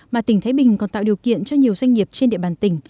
mà tỉnh thái bình còn tạo điều kiện cho nhiều doanh nghiệp trên địa bàn tỉnh